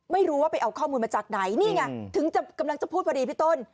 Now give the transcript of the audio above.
ไม่รู้ว่าไปเอาข้อมูลมาจากไหนนี่ไงถึงกำลังจะพูดพอดีพี่ต้น